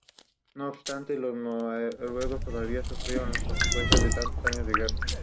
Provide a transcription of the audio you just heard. Posteriormente, tuvo dos breves experiencias en los banquillos de Cagliari y Pescara.